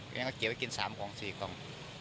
เดี๋ยวก็เกี่ยวกิน๓๔กล่อง